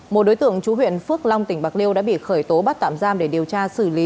một đối tượng chú huyện phước long tỉnh bạc liêu đã bị khởi tố bắt tạm giam để điều tra xử lý